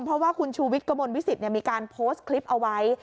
เพราะว่าคุณชูวิทย์กระมวลวิสิตมีการโพสต์คลิปเอาไว้